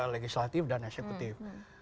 legislatif dan eksekutif